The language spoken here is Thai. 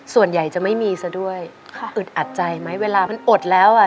ส่วนใหญ่จะไม่มีซะด้วยค่ะอึดอัดใจไหมเวลามันอดแล้วอ่ะ